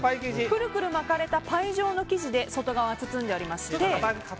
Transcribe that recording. くるくる巻かれたパイ状の生地で外側を包んでおりまして。